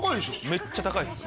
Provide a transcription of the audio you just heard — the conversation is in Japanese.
めっちゃ高いです